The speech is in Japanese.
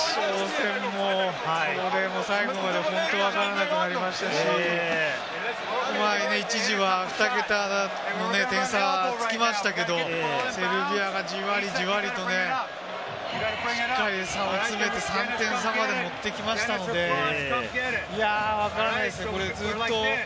３位決定戦もすごかったんですけれども、決勝戦も最後まで本当わからなくなりましたし、一時はふた桁の点差がつきましたけれども、セルビアがじわりじわりとね、しっかり差を詰めて、３点差までもってきましたので、わからないですよ、これ、ずっと。